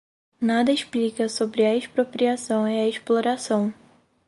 nada explica sobre a expropriação e a exploração